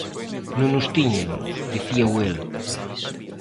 Non os tiñan, dicíao el.